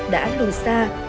đã lùi xa